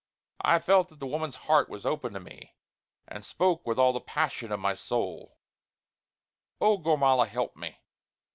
I felt that the woman's heart was open to me; and spoke with all the passion of my soul: "Oh, Gormala help me!